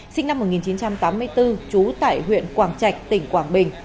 sinh năm một nghìn chín trăm tám mươi bốn trú tại huyện quảng trạch tỉnh quảng bình